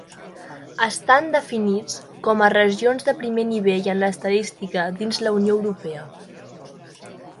Estan definits com a regions de primer nivell en l’estadística dins la Unió Europea.